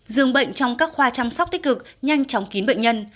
dường bệnh trong các khoa chăm sóc tích cực nhanh chóng kín bệnh nhân